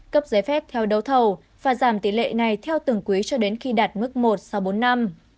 cấp giấy phép theo đấu thầu và giảm tỷ lệ này theo từng quý cho đến khi đạt mức một sau bốn năm